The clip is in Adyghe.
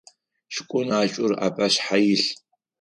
Шкъун ӏэшӏур апашъхьэ илъ.